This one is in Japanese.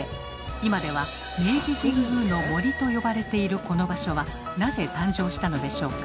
今では明治神宮の「森」と呼ばれているこの場所はなぜ誕生したのでしょうか？